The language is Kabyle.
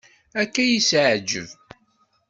Akka i s-iεǧeb.